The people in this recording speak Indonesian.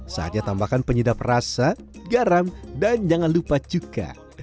saatnya tambahkan penyedap rasa garam dan jangan lupa cuka